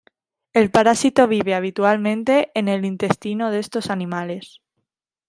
El parásito vive habitualmente en el intestino de estos animales.